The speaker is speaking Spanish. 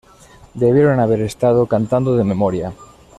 Debieron haber estado cantando de memoria.